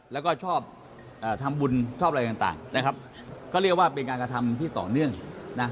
แล้วก็ชอบทำบุญชอบอะไรต่างนะครับก็เรียกว่าเป็นการกระทำที่ต่อเนื่องนะ